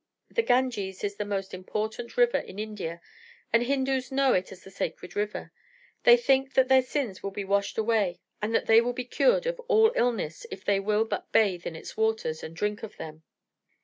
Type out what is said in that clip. The Ganges is the most important river in India, and the Hindus know it as the "Sacred River." They think that their sins will be washed away and that they will be cured of all illness if they will but bathe in its waters and drink of them.